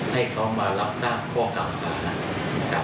ให้เขามารับทราบข้อคำศาสตร์